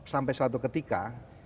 sampai suatu ketika